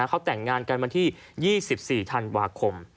เขาแต่งงานกันวันที่๒๔ธันวาคม